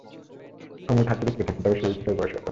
অমুধার যদি ছেলে থাকত, তবে সে এই ছেলের বয়সী হতো।